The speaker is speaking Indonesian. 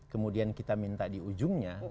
kemudian kita minta di ujungnya